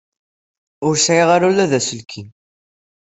Ur sɛiɣ ara ula d aselkim.